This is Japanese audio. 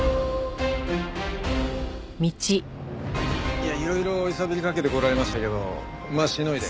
いやいろいろ揺さぶりかけてこられましたけどまあしのいで。